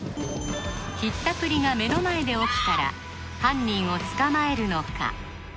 ひったくりが目の前で起きたら犯人を捕まえるのか？